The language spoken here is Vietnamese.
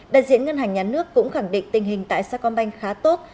đại diện ngân hàng nhà nước cũng khẳng định tình hình tại sa công banh khá tốt